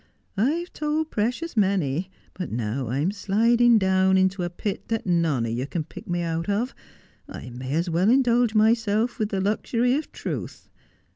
I've told precious many, but now I'm slidin' down into a pit that none o' you can pick me out of, I may as well indulge myself with the luxury of truth.